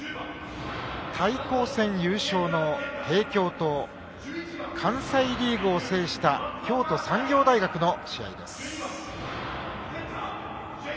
対抗戦優勝の帝京と関西リーグを制した京都産業大学の試合です。